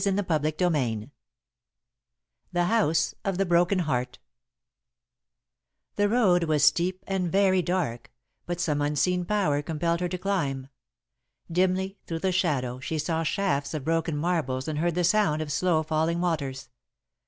V The House of the Broken Heart [Sidenote: Climbing in the Dark] The road was steep and very dark, but some unseen Power compelled her to climb. Dimly, through the shadow, she saw shafts of broken marbles and heard the sound of slow falling waters.